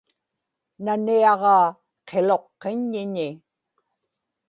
naniaġaa qiluqqiññiñi